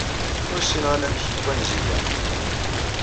Ur ssineɣ anamek n wanzi-a.